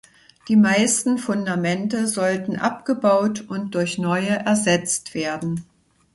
Die meisten Fundamente sollten abgebaut und durch neue ersetzt werden.